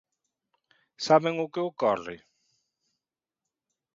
¿Saben o que ocorre?